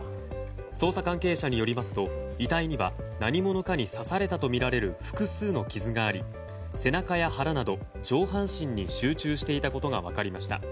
捜査関係者によりますと遺体には何者かに刺されたとみられる複数の傷があり背中や腹など上半身に集中していたことが分かりました。